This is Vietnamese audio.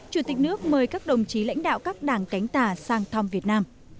chủ tịch nước mời các đồng chí lãnh đạo các đảng cánh tả sang thăm việt nam